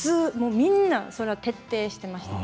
みんなそれは徹底していました。